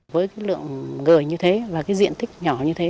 với lượng người như thế và diện tích nhỏ như thế